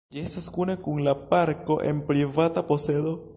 Ĝi estas kune kun la parko en privata posedo.